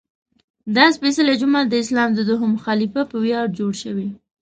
دا سپېڅلی جومات د اسلام د دویم خلیفه په ویاړ جوړ شوی.